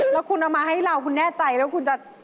แล้วคุณเอามาให้เราคุณแน่ใจแล้วคุณจะ